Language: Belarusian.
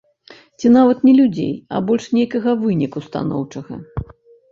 Ці нават не людзей, а больш нейкага выніку станоўчага.